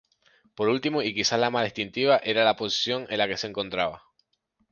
Por último y quizá la más distintiva era la posición en que se encontraba.